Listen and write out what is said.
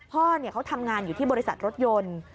พ่อเขาทำงานอยู่ที่บริษัทรถยนต์